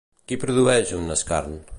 Qui produeix un escarn?